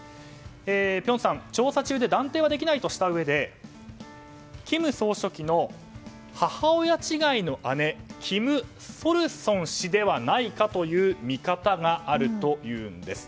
辺さん、調査中で断定はできないとしたうえで金総書記の母親違いの姉金雪松氏ではないかという見方があるというんです。